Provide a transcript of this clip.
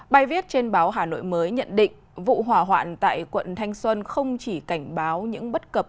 bài viết trên báo hà nội mới nhận định vụ hỏa hoạn tại quận thanh xuân không chỉ cảnh báo những bất cập